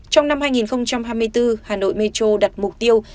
trong năm hai nghìn hai mươi bốn hà nội metro đặt mục tiêu